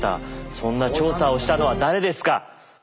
そんな調査をしたのは誰ですか？